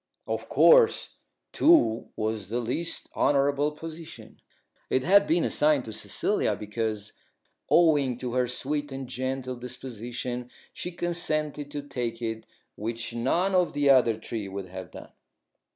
Of course, Two was the least honourable position. It had been assigned to Cecilia because, owing to her sweet and gentle disposition, she consented to take it which none of the other three would have done.